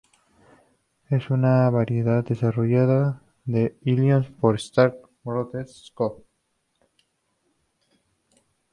Es una variedad desarrollada en Illinois por "Stark Brothers Co.